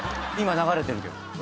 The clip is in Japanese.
今流れてる曲。